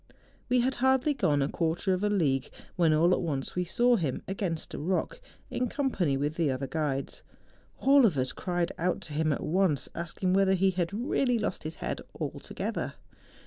We had hardly gone a quarter of a league, when all at once we saw him, against a rock, in company with the other guides. All of us cried out to him at once, asking whether he had really lost his head altogether.